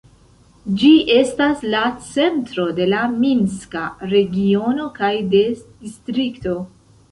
Ĝi estas la centro de la minska regiono kaj de distrikto.